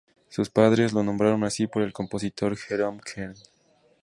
Sus padres lo nombraron así por el compositor Jerome Kern.